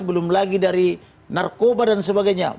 belum lagi dari narkoba dan sebagainya